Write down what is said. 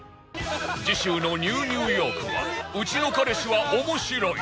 次週の『ＮＥＷ ニューヨーク』は「うちの彼氏は面白い」